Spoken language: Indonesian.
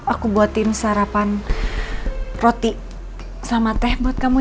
aku buatin sarapan roti sama teh buat kamu